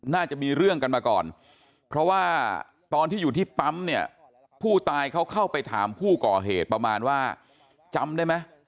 น่าจะมีเรื่องกันมาก่อนเพราะว่าตอนที่อยู่ที่ปั๊มเนี่ยผู้ตายเขาเข้าไปถามผู้ก่อเหตุประมาณว่าจำได้ไหม